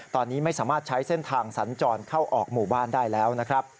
ตอนนี้ไม่สามารถใช้เส้นทางสัญจรเข้าออกหมู่บ้านได้แล้วนะครับ